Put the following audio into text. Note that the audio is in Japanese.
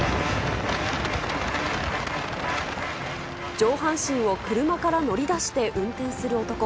上半身を車から乗り出して運転する男。